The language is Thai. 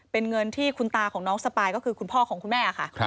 เป็นเงินที่คุณตาของน้องสปายก็คือคุณพ่อของคุณแม่ค่ะ